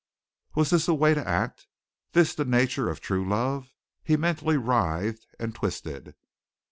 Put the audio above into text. Was this a way to act, this the nature of true love? He mentally writhed and twisted.